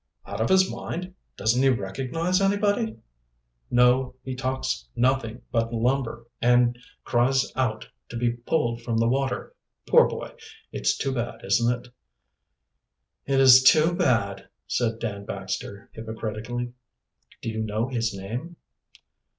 "Out of his mind? Doesn't he recognize anybody?" "No, he talks nothing but lumber, and cries out to be pulled from the water. Poor boy! it's too bad, isn't it?" "It is too bad," said Dan Baxter hypocritically. "Do you know his name?"